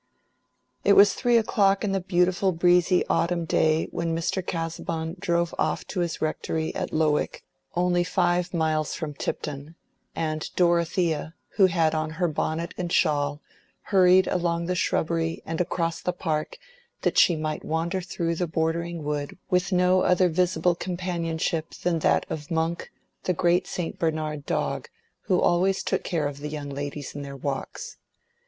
It was three o'clock in the beautiful breezy autumn day when Mr. Casaubon drove off to his Rectory at Lowick, only five miles from Tipton; and Dorothea, who had on her bonnet and shawl, hurried along the shrubbery and across the park that she might wander through the bordering wood with no other visible companionship than that of Monk, the Great St. Bernard dog, who always took care of the young ladies in their walks.